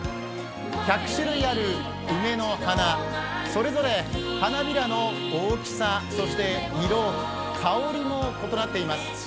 １００種類ある梅の花、それぞれ花びらの大きさそして色、香りも異なっています。